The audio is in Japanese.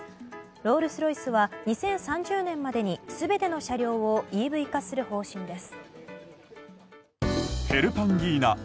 ロールスロイスは２０３０年までに全ての車両をＥＶ化する方針です。